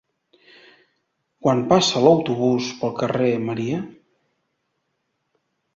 Quan passa l'autobús pel carrer Maria?